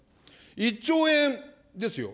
１兆円ですよ。